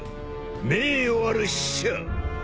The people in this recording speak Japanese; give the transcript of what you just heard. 名誉ある死者！